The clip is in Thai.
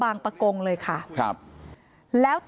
เมื่อเวลาอันดับ